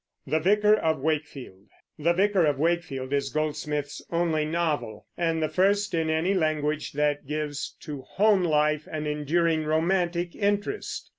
The Vicar of Wakefield is Goldsmith's only novel, and the first in any language that gives to home life an enduring romantic interest.